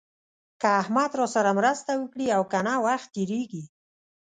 که احمد راسره مرسته وکړي او که نه وخت تېرېږي.